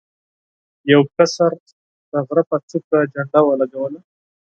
یو کشر د غره په څوکه جنډه ولګوله.